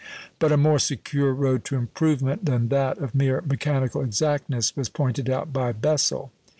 " But a more secure road to improvement than that of mere mechanical exactness was pointed out by Bessel.